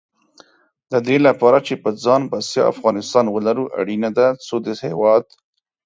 د دې لپاره چې په ځان بسیا افغانستان ولرو، اړینه ده څو د هېواد